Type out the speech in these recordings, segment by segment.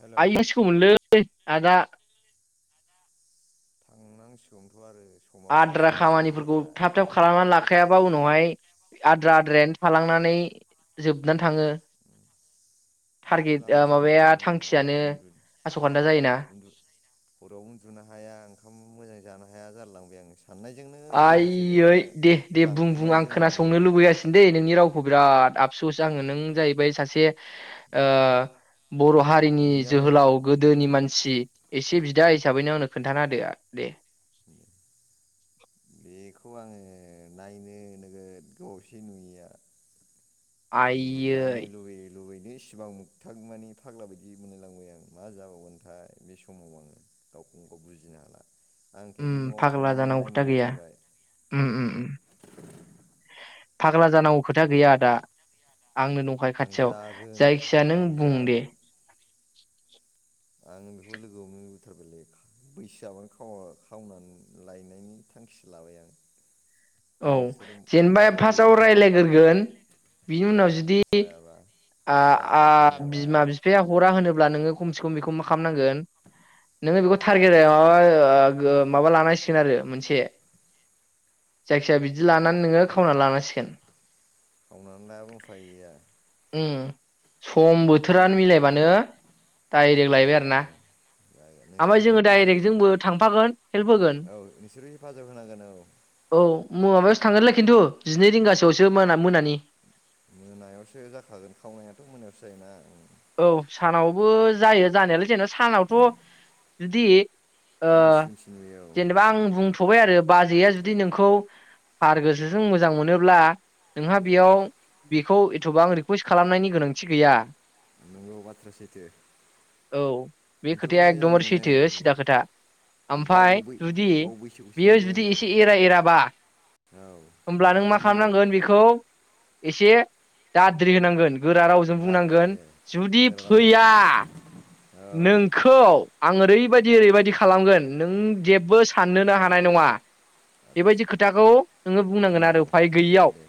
हेल' आइ सिखौमोनलै आदा थांनांसिगौमोनथ' आरो समाबो आद्रा खाथिनि खाथि खामानिफोरखौ फैथारबाय थाब थाब थाब खालामनानै लाखायाबा उनावहाय आद्रा आद्रायानो थालांनानै जोबनानै थाङो टारगेट बेखौनो ओ आंबो माबाया सानगासिनो थांखियानो उन्दु आस'खान्दा जायोना उन्दु हराआवनो उन्दुनो हाया ओंखाम मोजां जानो हाया जालांबाय आङो। साननायजोंनो देहा आइयै सोलेरानो दे सोर बुं बुं आं रानख्रबायजों मोनलांबाय खोनासंनो आं लुबैगासिनो दे नोंनि रावखौ बिराद आपस आङो नों जाहैबाय सासे ओ बर' हारिनि नुयैयाबो जोहोलाव उम गोदोनि मानसि मसि एसे बिदा हिसाबैनो आंनो खोन्था होदो आ दे [inaudible] बेखौ आङो नायनो नोगोद गोबावसे नुयिया नायनो आइयै लुबैयो लुबैद इसिबां मोगथां मानि फाग्ला बायदि मोनलायलांबाय आं मा जाबावगोनथाय बे समाव आङो गावखौनो गाव बुजिनो हाला आं खेनसे ओम न'आव फाग्ला थांनानै जानांगौ नायनो खोथा गैया लुबैथारबाय ओम ओम फाग्ला आं जानांगौ खोथा गैया आदा आंनो न बहाय आं खाथियाव जागोन जायखिया नों आं बुं दे जागोन आं बेखौ लोगोआवनो बथारबायले बैसोआन खावनानै लायनायनि थांखिसो लाबाय आं औ नोंसोरो जेनेबा हेफाजाब फार्स्टआव होयोना होआ रायज्लायग्रोगोन बिनि औ उनाव जुदि जायाबा आ जायाबा आ गनायाबा बिमा बिफा बिफाया हरा होनोब्ला नोङो खमसे खम बेखौ मा खालामनांगोन नोङो बेखौ टारगेट खावनायनिसिम माबा ओ माबा लानांसिगोन आरो मोनसे जायखिजाया बिदि लानानै नोङो खावना लानांसिगोन नंंङाब्ला उफाय गैखाया ओम सम बोथोरानो मिलायबानो दडाइरेक्ट लायबाय आरो जागोन ना आं जागोन ओमफ्राय खिन्थु जोङो नोंसोरबो डाइरेक्ट जोंबो थांफागोन हेल्प होगोन औ नोंसोरो हेफाजाब होनांगोन औ औ माबायावसो थांगोनलै खिन्थु जिनै रिंगासोआवसो मोना मोनानि मोनायावसो जाखागोन खावनायाथ' मोनायावसो जायोना औ सानावबो जायो जानायालाय जेना सानावथ' जुदि ओ मानसि दुमसि नुयो औ जेनेबा आं बुं आरो बाजैया जुदि नोंखौ थार गोसोजों मोजां मोनोब्ला नोंहा औ बेयाव बेखौ एथ'बां रिकुवेस्ट खालामनायनि गोनांथि गैया नोंगौ बाथ्राया सैथो औ बे खिन्थु खोथाया मोजां एकदमबार मोनो सैथो सिदा खोथा गावबो ओमफाय बै जुदि गाव बैसोखौसो बेयो नेदों जुदि औ एसे एरा एराबा औ होमब्ला नों मा खालामनांगोन बेखौ खौ एसे दाद्रि होनांगोन गोरा रावजों दा ए बुंनांगोन जुदि गोरा रावजों फैया औ नोंख खौ आं ओरैबायदि ओरैबायदि खालामगोन नों जेबो साननोनो हानाय नङा बेबायदि खोथाखौ नोङो बुंनांगोन आरो बुंनांगौ उफाय गैयियाव दे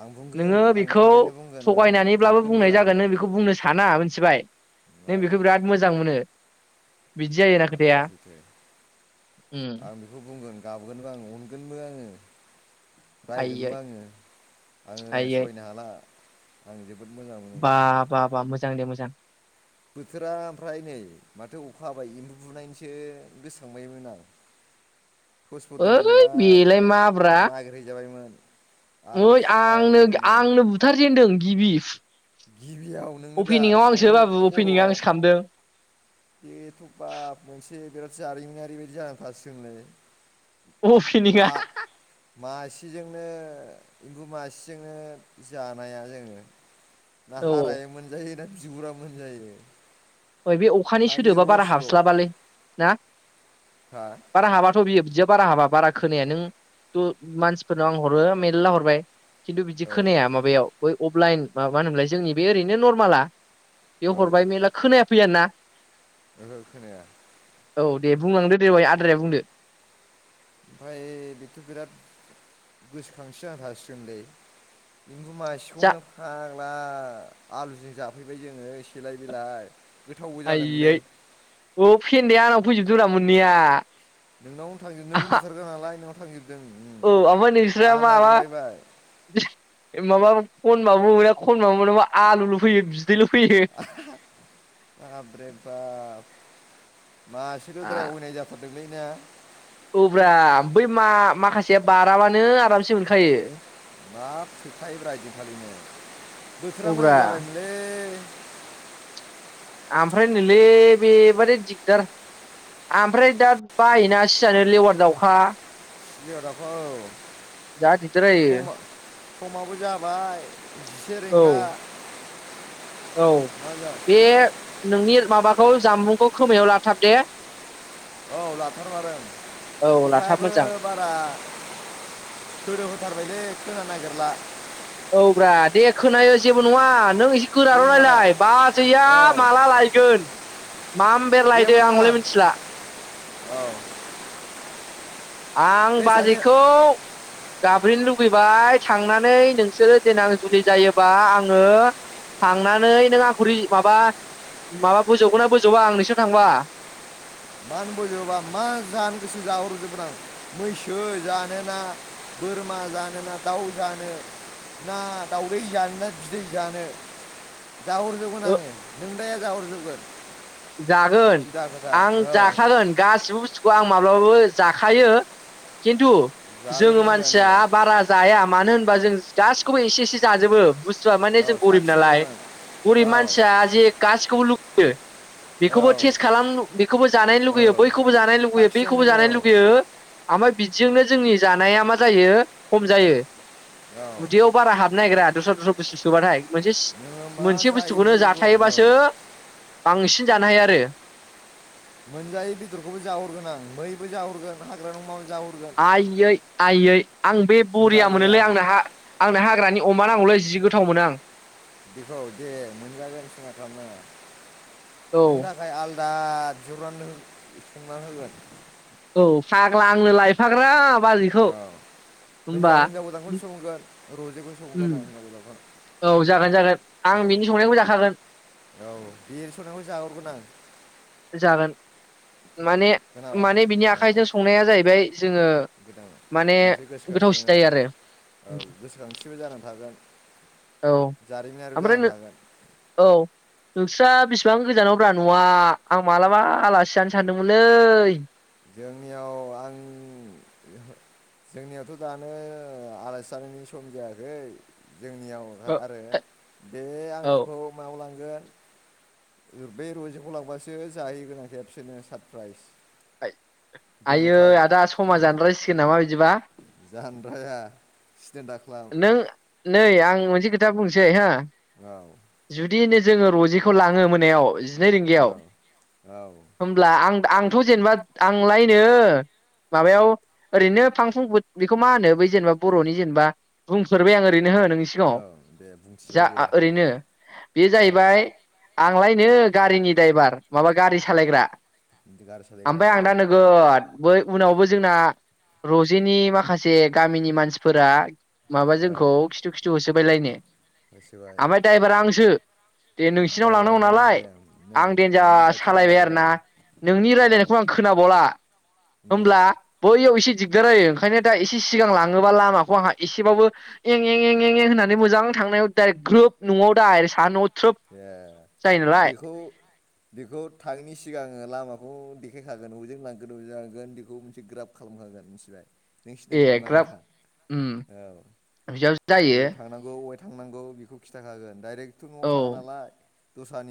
आं बुंगोन नोङो आं बेखौ थारैनो बुंगोन आङो थगायनानै अब्लाबो गाबगोनबो बुंनाय आं जागोन नों बेखौ बुंनो साना मिथिबाय नों औ बेखौ बिराद मोजां मोनो। बिदि जायोना बाथ्रा खोथाया सैथो ओम। आं बेखौ बुंगोन गाबगोनबो आं अनगोनबो आङो आयै रायगोनबो आङो आङो आयै सयनो हाला आं जोबोद मोजां मोनो। बा बा बा मोजां दे मोजां बोथोरा ओमफ्राय नै माथो अखा हाबाय एम्बु बुनायनिसो गोसखांबायमोन आं थसफोर ओइ दंनायमोनबा बेलाय माब्रा नागिरहैजाबायमो। आराम ओइ आंनो स्रायनो आंनो बुथारजेनदों गिबि गिबियाव नोङो दा अपेनिंआव आंसो सिखावमाजों बाबु अपेनिं खर'आव आंसो खालामदों। बेथ' बाब मोनसे बिराद जारिमिनारि बायदि जानानै थारसिगोनलोय। अपेनिंआ आ मासेजोंनो एम्बु मासेजोंनो जानाया जोङो ना औ औ हारायानो मोनजायो ना बिगुरानो‌ मोनजायो। ओय बे अखानि खालि सोदोबा बारा रसल' हाबस्लाबालै ना? हा बारा हाबाथ' बियो बिदिया बारा हाबा बारा खोनाया नों थ' मानसिफोरनाव आं हरो मेरला हरबाय खिन्थु बिदि औ खोनाया माबायाव बै अफलाइन मा मा होनोमलाय जोंनि बे ओरैनो नरमालाआ औ बे हरबाय मेरला खोनाया फैयानो ना? ओहो खोनाया औ दे बुंलांदो दे बहाय आद्राया बुंदो। ओमफाय बेथ' बिराद गोसोखांथि जाना थासिगोनलै। एम्बु जा मासेखौनो फाग्ला आलुजों जाफैबाय जोङो सेलाय बिलाय। आइयै अ' फेन्दाया आंनाव फैजोबदोंब्रा मोननैया। नोंनावनो थांजोबदों नोंहा बुथारग्रा नालाय नोंनावनो थांजोबदों। उम औ आमफाय नोंस्रा आंहा माबा नागिरबायबाय माबा खनबाबो मोना खनबाबो मोना माबा आलुल' फैयो बिदैल' फैयो। बाब्रेबाब मासेल'द्राया अयनाय जा थारदोंलै ना? औ ब्रा बै मा माखासेया बाराबानो आरामसे मोनखायो। बाब थोखायोब्रा ओयदिनखालिनो बोथोरा मोजां औब्रा जाबायमोनलै। ओमफ्राय नोंलै बेबादै दिगदार आमफ्राय दा बायोना सिजानो लेवार दाउखा लेवार दावखा औ जा दिगदार जायो समा समाबो जाबाय जिसे औ रेंगा औ जा बे नोंनि माबाखौ जामबुंखौ खोमायाव लाथाब दे। औ लाथारमारदों औ लाथाब अखायाबो मोजां बारा सोदोब होथारबायलै खोनानो नागिरला। औ ब्रा दे खोनायो जेबो नङा नों गोराल' इउनवार्डआ रायलाय बाजैया औ माला लायगोन? माम बेर जेबो लायदो आं नङा अले मिथिला। औ आं बे सासे बाजैखौ गाज्रिनो लुबैबाय थांनानै नोंसोरो देनां जुलि जायोबा आङो थांनानै नों आंखौ रिजि माबा माबा बोजबगोना बोजबा आं नोंसिनाव थांबा? मानो बोजबा मा जानो गोसो जाहो हरजोबगोन आं मैसो जानोना बोरमा जानो ना दाउ जानो ना दाउदैसो जानो ना बिदै जानो? जाहरजोबगोन ओ आङो नोंदाया जाहोहरजोबगोन। जागोन आं जाखा गोन गासिबो बुस्थुखौ आं माब्लाबाबो जाखायो खिन्थु जोङो जाजोबनांगोन मानसिया औ बारा जाया मानो होनोबा जों गासिखौबो एसे एसे जाजोबो। बुस्थुआ माने औ जों गरिब नालाय, साखिनांगोन गरिब औ मानसिया जे गासिखौबो लुबैयो। औ बेखौबो टेस्ट खालाम बेखौबो जानायनो औ लुगैयो बैखौबो जानायनो लुगैयो बेखौबो जानो साखिनायनांगौ लुगैयो। ओमफाय बिदिजोंनो जोंनि जानाया मा जायो खम जायो। औ उदैयाव बारा हाबनो नागिरा दस्रा दस्रा बुस्थु सोबाथाय, मोनसेसि नोङो मा मोनसे जायो बुस्थुखौनो बेखौल' बुं औ जाखायोबासो बांसिन जानो हायो आरो। मोनजायै बेदरखौबो जाहोहरगोन आं मैबो जाहोहरगोन हाग्रानि अमाबो जाहोहरगोन। आइयै आइयै आं बे सिन्था बरिया गैया मोनोलै आंना हा आंनो हाग्रानि अमा नांगौलै जि गोथाव मोनो आं। बेखौ दे मोनजागोन सिनथा खालामनो नांङा। औ नों दा ओमफ्राय आलदा बिहरना संना होगोन। औ फाग्ला आंनो लायफाग्राब औ हिनजाव हिनजाव गोदानखौसो संगोन रजेखौ उम सोंगोन आं हिनजाव गोदानखौ। औ जागोन जागोन आं बिनि संनायखौ जाखागोन औ औ देरस'नखौ जाहरगोन आं। जागोन माने खोनाबाय माने बिनि औ आखाइजों संनाया जाहैबाय जोङो गोदान माने मोनसे गोसोखांस गोथावसिन औ जायो आरो औ गोसोखांसिबो जानानै थागोन। औ जारिमिनारिबो ओमफ्राय जानानै नो थागोन औ। नोंस्रा बिसिबां गोजानाव ब्रा न'आ आं मालाबा आलासि जानो सानदोंमोनलै। जोंनियाव आं जोंनियावथ' दानो आलाायसि जानायनि सम जायाखै, जोंनियाव आरो बे औ आंनोखौ माबायाव लांगोन बे रजेखौ लांबासो जाहैगोना खेबसेरनो सारप्राइज। आयै गोमोथाव आदा समा जानद्रायसिगोन नामा बिदिबा? जानद्राया सिदेन् दाख्ला नों नै आं मोनसे खोथा बुंनोसै हा। औ। जुदिनो जोङो रजिखौ लाङो मोनायाव जिनै औ रिंगायाव औ ब्ला आं आंथ' जेनेबा आंलायनो माबायाव ओरैनो फां फुं बेखौ मा होनो बै जेनेबा बर'नि जेनेबा बुंफोरबाय आं ओरैनो हो नोंसि औ दे बुंथिबाय जा दे ओरैनो बेयो उम जाहैबाय आंलायनो गारिनि द्राइभार माबा गारि सालायग्रा। गारि सालायग्रा ओमफाय दे आं दा नोगोद बै उनावबो जोंना रजेनि माखासे गामिनि मानसिफोरा औ जोंखौ खिथु खिथु होसोबायलाय नो, होसोबाय ओमफ्राय द्राइभार आंसो। दे नोंसिनाव द्राइभारा लांनांगौ नों नालाय, दे औ आं देन नों जार दायथ' सालायबाय लाबाय औ आरोना। नोंनि औ रायज्लायनायखौ आं खोनाबावला। [unintelligible] लबा बैयाव एसे दिगदार जायो ओंखायनो दा एसे सिगां लाङोबा लामाखौ आंहा एसेबाबो एं एं एं एं एं होननानै मोजां थांनायाव द ग्रोब न'आव दा सान' ए बेखौ बेखौ थांयिनि सिगां आङो लामाखौ देखायखागोन बबेजों लांगोन बबेजों लांगोन बेखौ मोनसे ग्राब खालामखागोन मिनथिबाय। नों सिन्था ए खालामनाङा ग्राब उम औ बिदियाव जायो बोरै थांनां अबेहाय थांनांगौ बेखौ खिथाखागोन डाइरेक्थ' न'आव औ थाङा नालाय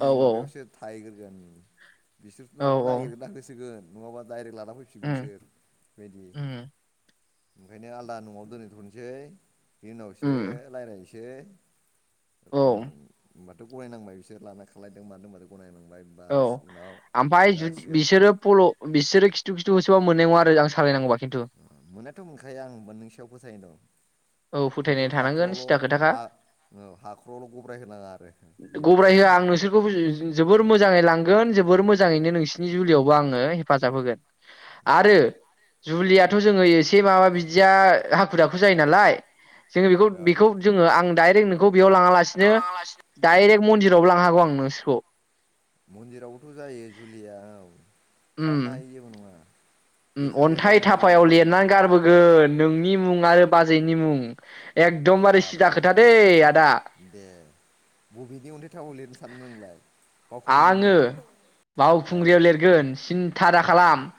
औ माबायावसो थायैगोरगोन बिसोरथ' औ नङाबा औ नागिरगोना होसोगोन। नङाबा डाइरेक्ट लाना फैफिनगोन उम बिसोर बेबायदि। उम ओंखायनो आलदा न'आव दोनैथ'नोसै बिनि उनावसो उम रायलायनोसै। औ उम होमबाथ' गनायनांबाय बिसोर लाना खालायदों मादों होनबाथ' गनायनांबाय। औ बास उनाव आमफाय जुदि जासिगोन बिसोरो फल' बिसोरो खिथु खिथु होसोबाबो मोननाय नङा आरो आं सालायनांगौबा खिन्थु। मोननाययाथ' मोनखाया आं नोंनि सायाव फोथायनाय दं। औ फोथायनाय खिन्थु थानांगोन सिदा हाखरावल' खोथाखा हा औ हाखरावल' गब्राय होनाङा आरो। बे मोनसे गब्राय होआ खोथा आं नोंसोरखौ बुजि जोबोर मोजाङै लांगोन जोबोर मोजाङैनो औ नोंसिनि जुलियावबो आङो हेफाजाब होगोन आरो जुलियाथ' जोङो एसे माबा बिदिया हाखु दाखु जायो नालाय जोङो बेखौ औ बेखौ जोङो आं डाइरेक्ट नोंखौ बेयाव लाङा लासिनो डाइरेक्ट मन्दिरावबो लांनो हागौ आं नोंसोरखौ। मन्दिरावबोथ' जायो जुलिया औ उम खालामनो हायो जेबो नङा। उम लेखा अन्थाइ लिरलायनो हायो थाफायाव जेबो नङा लिरनानै गारबोग गोन नोंनि मुं आरो बाजैनि मुं एकदमबारे सिदा बाब्रे खोथा दै बाब आदा। दे बबेनि अन्थाय थाफायाव लिरनो सानदों नोंलाय? आङो बावखुंग्रिनियाव औ बावखुंग्रियाव लिरगोन सिन्था दा ओमफ्राय खालाम।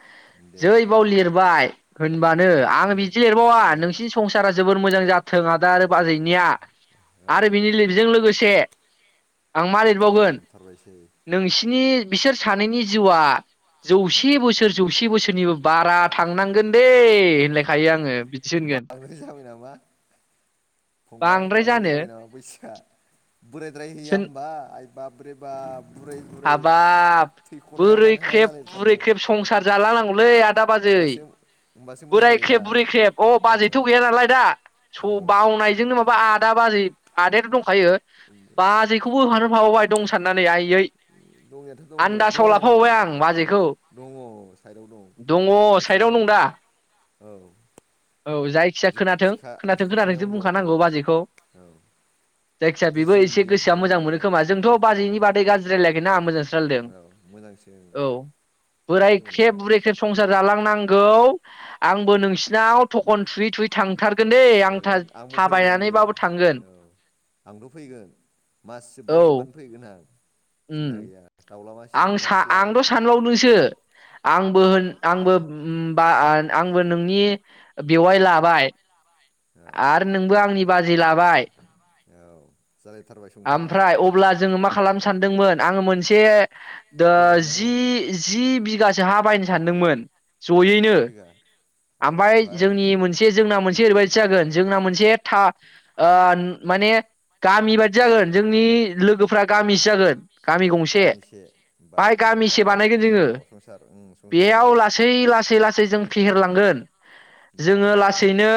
दे जै बाव लिरबाय होनबानो होमबालाय आं मोन बिदि लिरबावा सिनायबाय नोंसिनि संसारा जोबोर मोजां जाथों आदा आरो औ बाजैनिया [unintelligible] आरो बिनि लिबजों लोगोसे आं मा दे लिरबावगोन हामथारबायसै। नोंसिनि बिसोर सानैनि जिउआ जौसे बोसोर जौसे बोसोरनिबो बारा हाब थांनांगोन दे होनलायखायो आङो। बिदिसो होनगोन बांद्राय जाबाय नामा। फंबाय बांद्राय जाबाय नामा बैसोआ बोरायद्राय हैया सोन होमबा आइ बाबरे बाब‌। बुराय बुरै हाबाब हाब थैख'नो हाया बोरै मानो हाया ख्रेब बुरै जालायथारगोन। ख्रेब संसार जालानांगौलै आद आदा बाजै होमबासो होमबासो मोजां बोराय जायोदा ख्रेब बुरै ख्रेब अ बाजैथ' गैया नालाय दा। औ स बावनायजोंनो माबा आदा बाजै आदायाथ' दंखायो। बाजैखौबो हानहरफाबावबाय दं साननानै आइयै। आइयै। दंनाययाथ' दंब्रा दं आं औ बाजैखौ दङ साइदआव दं दङ खाथियाव साइदआवनो दं। दा औ औ जायखिया खोनाथों बिखा खोनाथों बिखा खोनाथोंसो खनायावनो दं बुंखानांगौ बाजैखौ। औ जायखिजाया बेबो बुजिगोन एसे बियो गोसोआ थाबैनो मोजां मोनो औ खोमा जोंथ' बाजै बेनि औ बादै गाज्रि रायलायाखैना मोजांसो औ मोजांसो रायलायदों औ बे बोराय जेबो नङा ख्रेब बुरै ख्रेब संसार जालांनांगौ आंबो नोसिनाव थखन थुयै थुयै थांथारगोन दे आं था गोन फैगोन दे थाबायनानैबाबो थांगोन। औ आंबो फैगोन मास जोबबा औ जोबबानो फैगोन आं सिन्था गैया। दाउला मासे आंसा मासे आंथ' लाबोगोन सानबावदोंसो आंबो उम होन आंबो उमबा आंबो नोंनि बेवाय लाबाय। औ आरो नोंबो आंनि बाजै लाबाय औ जालायथारबाय संसारा आमफ्राय अ अब्ला जोङो मा खालामनो सानदोंमोन आङो मोनसे दो जि बेरायहैनांगौ जि बिगासो हा बायनो सानदोंमोन। औ जयैनो जि बिघा औ ओमफाय जे मोनसे जोंना मोनसे ओरैबायदि जागोन जोंना मोनसे था ओ माने गामि बादि जागोन जोंनि लोगोफ्रा गामिसो जागोन। गामिसे बाय बाब्रे बाब गामिसे बाहाय बानायगोन ज' जोङो संसार उम संसार बेयाव जालायगोन लासै लासै लासै जों फेहेरलांगोन। जोङो बाब्रे औ लासैनो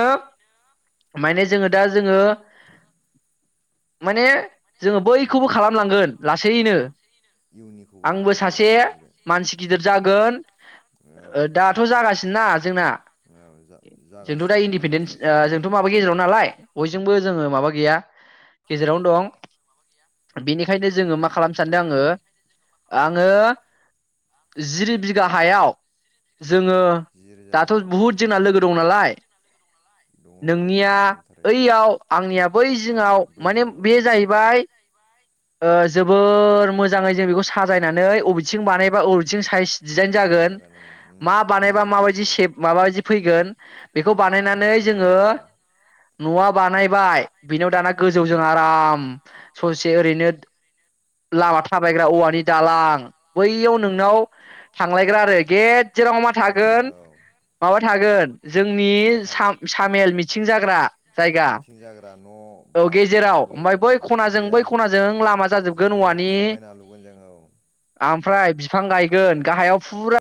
माने जोङो दा जोङो माने जोङो औ बैखौबो खालामलांगोन लासैनो। इउनिखौबो ओं आंबो दे सासे बुजिबाय मानसि गिदिर जागोन ओ औ दाथ' जागासिनोना जोंना। औ जोंथ' दा जा-जागासिनो ओं इन्डिपेन्डेन्स लासै लासैनो। [unintelligible] गेजेराव नालाय बयजोंबो जोङो माबा गैया गेजेरावनो दं। बिनिखायनो दोनदों दे जोङो मा उम खालामनो सानदों बेयावनो आङो दं आङो ज्रि बिघा हायाव जोङो जि रोजा दाथ' औ बुहुद जोंना लोगो दं नालाय दङ ‌ दङ नोंनिया दङ दंथारो ओइयाव आंनिया बै जिङाव माने बैयाव औ बे जाहैबाय ओ जोबोर मोजाङै जे बेखौ साजायनानै अबेथिं बानायबा अबेथिं साइस दिजाइन मोजां जागोन ओं उम मा बेखौ बानायबा नायजोबगोन माबायदि दे सेप माबायदि फैगोन औ बेखौ बानायनानै महर जोङो फैगोन औ न'आ बानायबाय बिनियाव दाना गोजौजों आराम ससे ओरैनो लामा थाब बायग्रा औवानि दालां बैयाव नोंनाव थांलायग्रा आरो गेद जेराव मा ओइब्ला थागोन औ माबा थागोन जोंनि मा साम थागोन सा - मेल मिथिं जाग्रा जायगा मिथिं जाग्रा न' औ बाब्रे गेजेराव बाब बो ओमफाय बै खनाजों बै बरिया खनाजों लामा जाजोब जोबोद समायना लुगोन जों औ। आमफ्राय बिफां गायगोन गाहायाव औ फुरा